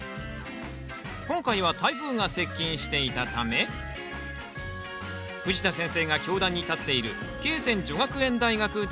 今回は台風が接近していたため藤田先生が教壇に立っている恵泉女学園大学での収録です